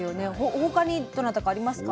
他にどなたかありますか？